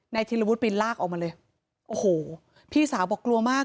ธิรวุฒิปีนลากออกมาเลยโอ้โหพี่สาวบอกกลัวมาก